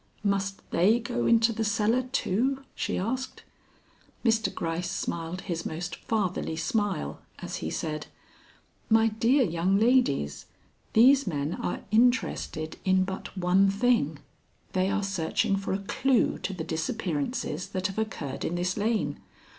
"Must they go into the cellar too?" she asked. Mr. Gryce smiled his most fatherly smile as he said: "My dear young ladies, these men are interested in but one thing; they are searching for a clue to the disappearances that have occurred in this lane.